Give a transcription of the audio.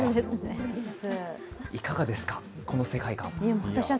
いかがですか、この世界観は？